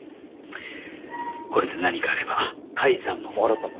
これで何かあれば甲斐さんももろともに。